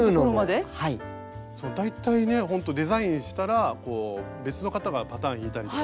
そう大体ねほんとデザインしたら別の方がパターン引いたりとかして。